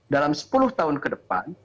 dalam sepuluh tahun ke depan